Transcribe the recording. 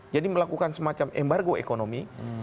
jadi melakukan semacam embargo ekonomi